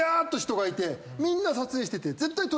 みんな撮影してて。